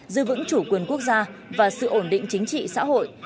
giữ vững chủ quyền quốc gia và sự ổn định chính trị xã hội